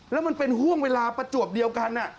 แล้วมันเป็นห่วงเวลาประจวบเดียวกัน